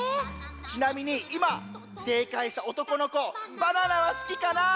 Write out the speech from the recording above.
ちなみにいませいかいしたおとこのこバナナはすきかな？